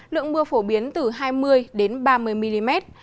lượng mưa phổ biến từ hai mươi ba mươi mm